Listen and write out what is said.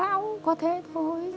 báo có thế thôi